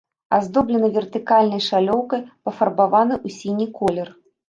Аздоблена вертыкальнай шалёўкай, пафарбаванай у сіні колер.